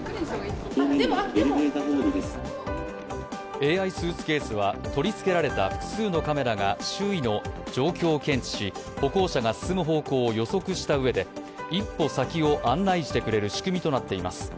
ＡＩスーツケースは取りつけられた複数のカメラが周囲の状況を検知し、歩行者が進む方向を予測したうえで一歩先を案内してくれる仕組みとなっています